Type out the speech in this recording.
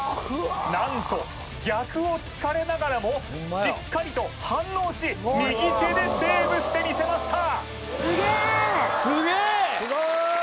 何と逆を突かれながらもしっかりと反応し右手でセーブしてみせました・